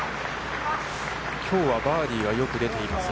きょうはバーディーは、よく出ています。